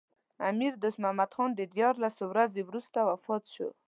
امیر دوست محمد خان دیارلس ورځې وروسته وفات شو.